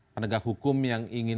penegak hukum yang ingin